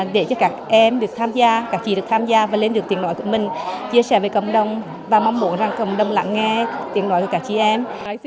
để cho các em được tham gia các chị được tham gia và lên được tiếng nói của mình chia sẻ với cộng đồng và mong muốn rằng cộng đồng lặng nghe tiếng nói của các chị em